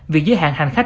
việc giới hạn hành khách